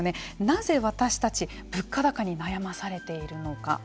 なぜ私たち物価高に悩まされているのか。